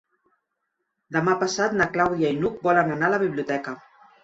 Demà passat na Clàudia i n'Hug volen anar a la biblioteca.